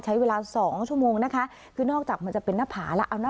ใช้เวลาสองชั่วโมงนะคะคือนอกจากมันจะเป็นหน้าผาแล้วเอานะ